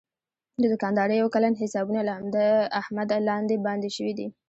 د دوکاندارۍ یو کلن حسابونه له احمده لاندې باندې شوي دي.